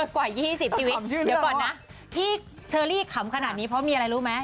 กว่า๒๐ชีวิตเดี๋ยวก่อนนะที่เชอรี่ขำขนาดนี้เพราะมีอะไรรู้ไหม